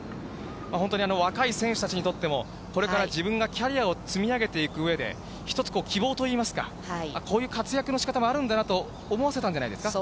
本当に若い選手たちにとっても、これから自分がキャリアを積み上げていくうえで、一つ、希望といいますか、こういう活躍のしかたもあるんだなと思わせたんじゃないですか。